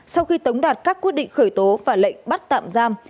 sau khi tống đạt các quyết định khởi tố và lệnh bắt tạm giam